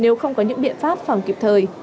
nếu không có những biện pháp phòng kịp thời